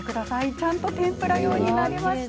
ちゃんと天ぷら用になりました。